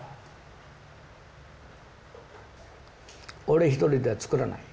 俺一人では作らない。